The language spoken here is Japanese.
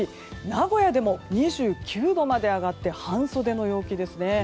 名古屋でも２９度まで上がって半袖の陽気ですね。